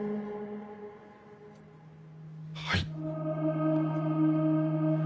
はい。